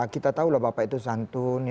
kita tahu lah bapak itu santun